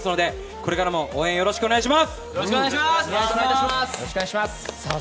これからも応援、よろしくお願いします。